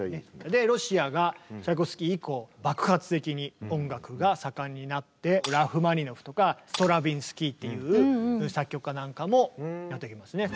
でロシアがチャイコフスキー以降爆発的に音楽が盛んになってラフマニノフとかストラヴィンスキーっていう作曲家なんかもやってきますね。